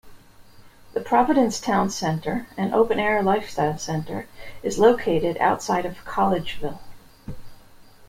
The Providence Town Center, an open-air lifestyle center, is located outside of Collegeville.